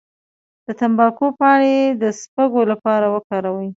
د تمباکو پاڼې د سپږو لپاره وکاروئ